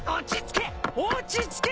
落ち着け！